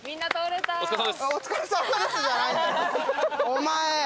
お前。